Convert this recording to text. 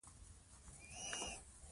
د هېواد په مینه کې مو ژوند تېر شي.